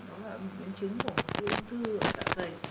đó là những triệu chứng của một triệu chứng tạo dày